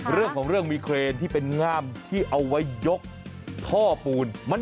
เรื่องของเรื่องมีเครนที่เป็นง่ามที่เอาไว้ยกท่อปูน